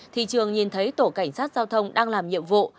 thì trường nhìn thấy tổ cảnh sát giao thông đang làm nhiệm vụ